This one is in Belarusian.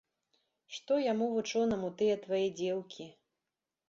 Што яму, вучонаму, тыя твае дзеўкі?